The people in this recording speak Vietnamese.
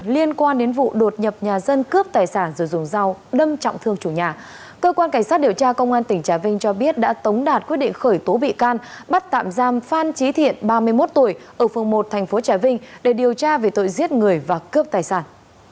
liên quan đến vụ đột nhập nhà dân cướp tài sản rồi dùng dao đâm trọng thương chủ nhà cơ quan cảnh sát điều tra công an tỉnh trà vinh cho biết đã tống đạt quyết định khởi tố bị can bắt tạm giam phan trí thiện ba mươi một tuổi ở phường một thành phố trà vinh để điều tra về tội giết người và cướp tài sản